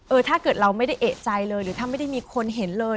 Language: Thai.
ถ้าเกิดเราไม่ได้เอกใจเลยหรือถ้าไม่ได้มีคนเห็นเลย